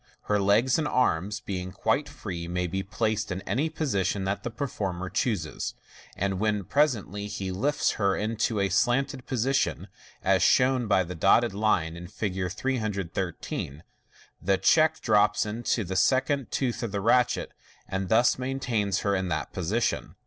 MODERN MAGIC 501 Her legs and arms, being quite free, may be placed in any position that the performer chooses j and when presently he lifts her into a slanting position, as shown by the dotted line in Fig. 313, the check h drops into the second tooth of the ratchet, and thus maintains her in that position.